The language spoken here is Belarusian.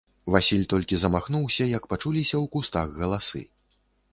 Васіль толькі замахнуўся, як пачуліся ў кустах галасы.